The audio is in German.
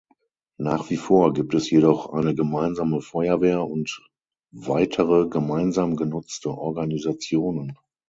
Nach wie vor gibt es jedoch eine gemeinsame Feuerwehr und weitere gemeinsam genutzte Organisationen.